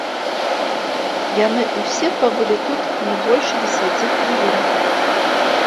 Яны ўсе пабылі тут не больш дзесяці хвілін.